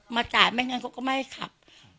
จ่ายไม่งั้นเขาก็ไม่ให้ขับ